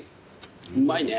うまいね。